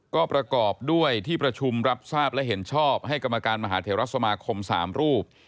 ก็ประกอบด้วยที่ประชุมรับทราบและเห็นชอบให้กรรมการมหาเทวรัฐสมาคม๓รูป